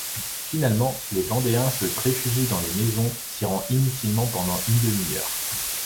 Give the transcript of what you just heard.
Finalement les Vendéens se réfugient dans les maisons tirant inutilement pendant une demi-heure.